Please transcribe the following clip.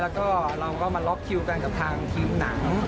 แล้วก็เราก็มาล็อกคิวกันกับทางทีมหนัง